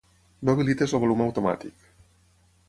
No habilitis el volum automàtic.